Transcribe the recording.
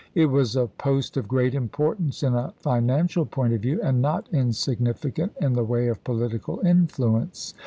It was a post of great importance in a financial point of view, and not insignificant in the way of political influence.